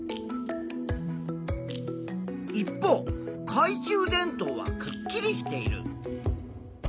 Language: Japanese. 一方かい中電灯はくっきりしている。